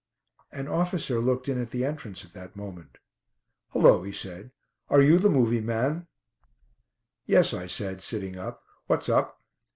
An officer looked in at the entrance at that moment. "Hullo!" he said. "Are you the 'movie man'?" "Yes," I said, sitting up. "What's up?"